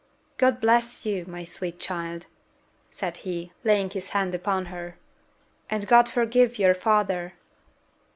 "God bless you, my sweet child!" said he, laying his hand upon her; "and God forgive your father!"